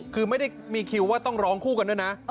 คือไม่ได้มีคิวว่าต้องร้องคู่กันด้วยนะ